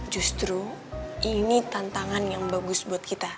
justru ini tantangan yang bagus buat kita